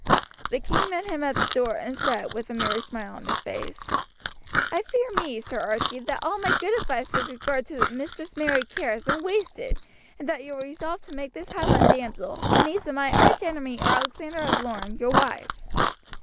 The king met him at the door, and said, with a merry smile on his face: "I fear me, Sir Archie, that all my good advice with regard to Mistress Mary Kerr has been wasted, and that you are resolved to make this Highland damsel, the niece of my arch enemy Alexander of Lorne, your wife."